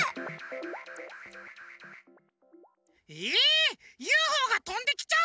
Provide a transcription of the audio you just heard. ＵＦＯがとんできちゃうの！？